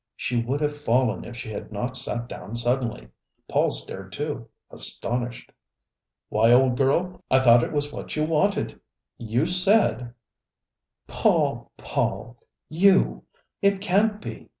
She would have fallen if she had not sat down suddenly. Paul stared, too, astonished. "Why, old girl, I thought it was what you wanted! I you said " "Paul, Paul! You! It can't be!